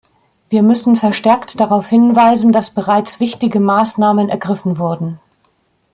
Wir müssen verstärkt darauf hinweisen, dass bereits wichtige Maßnahmen ergriffen wurden.